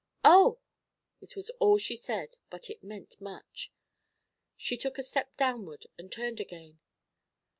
'Oh!' It was all she said, but it meant much. She took a step downward, and turned again.